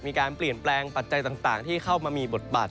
มีการเปลี่ยนแปลงปัจจัยต่างที่เข้ามามีบทบาท